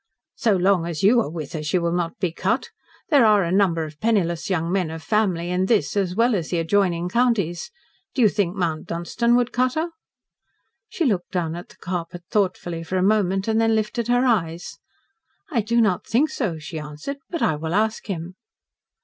"So long as you are with her, she will not be cut. There are a number of penniless young men of family in this, as well as the adjoining, counties. Do you think Mount Dunstan would cut her?" She looked down at the carpet thoughtfully a moment, and then lifted her eyes. "I do not think so," she answered. "But I will ask him."